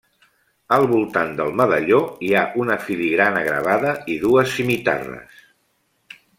Al voltant del medalló hi ha una filigrana gravada i dues simitarres.